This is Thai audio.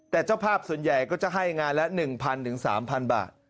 แต่เจ้าภาพส่วนใหญ่ก็จะให้งานละ๑๐๐๓๐๐บาท